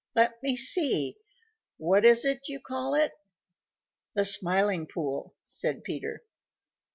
Let me see, what is it you call it?" "The Smiling Pool," said Peter.